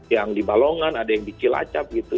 yang dibalongan ada yang dicilacap gitu